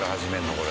これ。